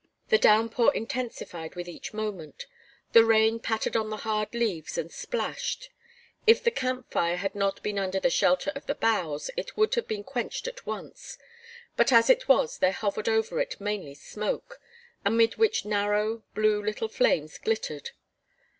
The downpour intensified with each moment. The rain pattered on the hard leaves and splashed. If the camp fire had not been under the shelter of the boughs, it would have been quenched at once, but as it was there hovered over it mainly smoke, amid which narrow, blue little flames glittered.